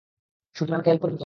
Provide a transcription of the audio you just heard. শুটু, তুমি আমাকে হেল্প করবে তো?